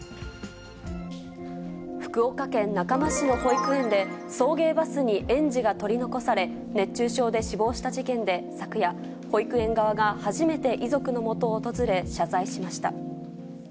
福岡県中間市の保育園で、送迎バスに園児が取り残され、熱中症で死亡した事件で昨夜、保育園側が初めて遺族のもとを訪れ、謝罪しました。